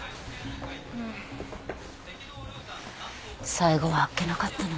最期はあっけなかったな。